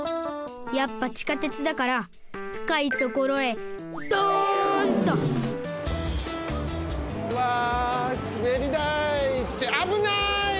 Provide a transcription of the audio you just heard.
やっぱ地下鉄だからふかいところへドンと！わすべりだい！ってあぶない！